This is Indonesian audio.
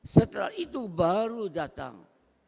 setelah itu baru datang